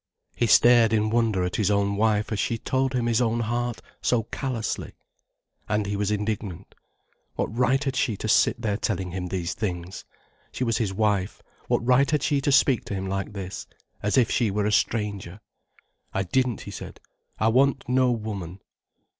He stared in wonder at his own wife as she told him his own heart so callously. And he was indignant. What right had she to sit there telling him these things? She was his wife, what right had she to speak to him like this, as if she were a stranger. "I didn't," he said. "I want no woman."